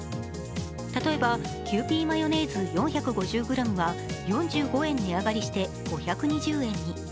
例えばキユーピーマヨネーズ４５０ｇは４５円値上がりして５２０円に。